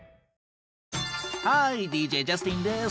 ハーイＤＪジャスティンです。